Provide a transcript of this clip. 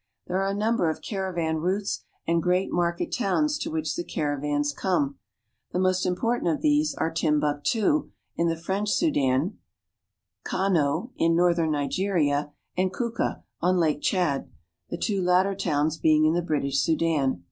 There are a num ber of caravan routes, and great market towns to which the caravans come. The most important of these are Tim buktu, in the French Sudan, Kano (ka n5'), in northern Nigeria, and Kuka (koo'ka), on Lake Tchad, the two latter towns being in the British Sudan.